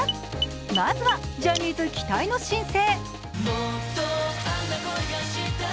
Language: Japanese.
まずはジャニーズ期待の新星。